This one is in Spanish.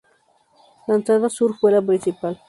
La entrada sur fue la principal.